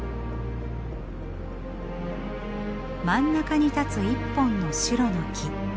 真ん中に立つ一本の棕櫚の木。